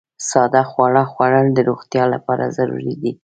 ساده خواړه خوړل د روغتیا لپاره ضروري دي.